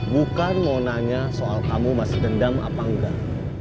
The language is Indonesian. bukan mau nanya soal kamu masih dendam apa enggak